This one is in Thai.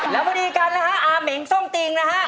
แล้วบริการนะฮะอ่าเหม็งส้งติ่งนะฮะ